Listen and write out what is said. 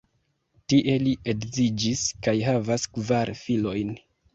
Tie li edziĝis kaj havas kvar filojn.